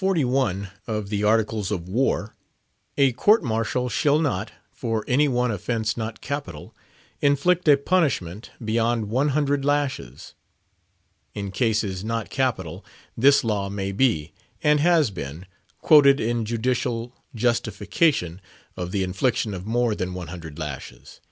of the Articles of War, a court martial shall not "for any one offence not capital," inflict a punishment beyond one hundred lashes. In cases "not capital" this law may be, and has been, quoted in judicial justification of the infliction of more than one hundred lashes.